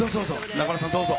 中村さん、どうぞ。